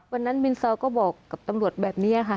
วันนั้นบิลซอร์ก็บอกกับตำรวจแบบนี้ค่ะ